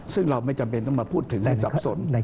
ซึ่งเราไม่จำเป็นต้องมาพูดถึงให้สับสน